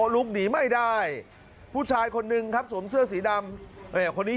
ลุกหนีไม่ได้ผู้ชายคนหนึ่งครับสวมเสื้อสีดำคนนี้